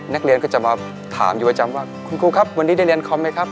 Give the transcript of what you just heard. นักเรียนก็จะมาถามอยู่ประจำว่าคุณครูครับวันนี้ได้เรียนคอมไหมครับ